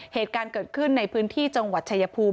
เหตุการณ์เกิดขึ้นในพื้นที่จังหวัดชายภูมิ